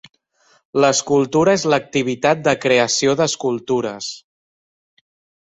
L'escultura és l'activitat de creació d'escultures.